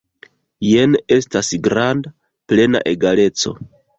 Jen estas granda, plena egaleco.